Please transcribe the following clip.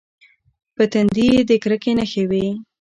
په تندي یې د کرکې نښې وې.